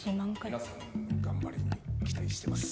皆さんの頑張りに期待してます。